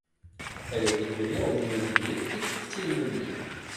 Elle est diplômée en immobilier et courtier immobilier.